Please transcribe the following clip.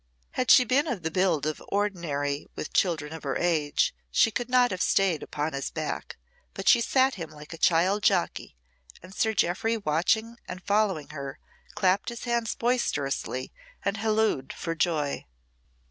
Had she been of the build ordinary with children of her age, she could not have stayed upon his back; but she sat him like a child jockey, and Sir Jeoffry, watching and following her, clapped his hands boisterously and hallooed for joy.